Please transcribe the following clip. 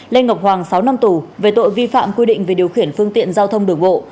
lê ngọc hoàng sáu năm tù về tội vi phạm quy định về điều khiển phương tiện giao thông đường bộ